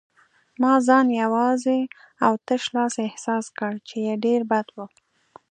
ما ځان یوازې او تش لاس احساس کړ، چې ډېر بد و.